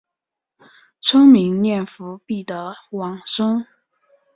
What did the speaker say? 称名念佛必得往生。